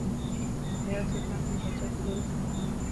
حيار سلطان تر پاچا کېدو وروسته ملتان ته ولاړ.